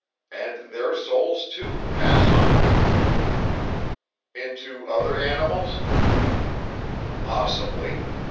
And their souls, too, pass on." "Into other animals?" "Possibly.